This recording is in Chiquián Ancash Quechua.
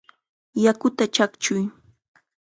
¡Yakuta chaqchuy!